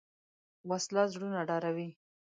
وسله زړونه ډاروي